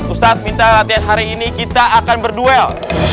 ustadz minta latihan hari ini kita akan berduel